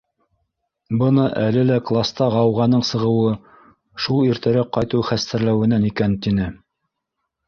Бына әле лә класта ғауғаның сығыуы шул иртәрәк ҡайтыу хәстәрләүенән икән тине.